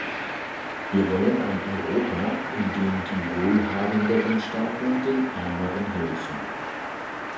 Wir wollen ein Europa, in dem die wohlhabenderen Staaten den ärmeren helfen.